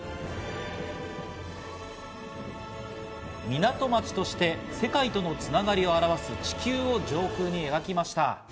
港町として世界とのつながりを表す地球を上空に描きました。